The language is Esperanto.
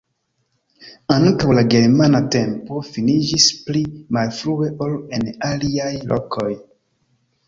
Ankaŭ la germana tempo finiĝis pli malfrue ol en aliaj lokoj.